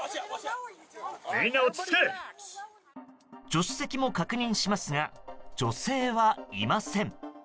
助手席も確認しますが女性はいません。